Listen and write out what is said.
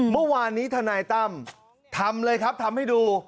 เมื่อวานนี้ทนายตั้มทำเลยครับทำให้ดู